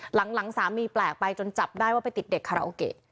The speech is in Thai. หลังสามีแปลกไปจนจับได้ว่านเป็นคาราโอเค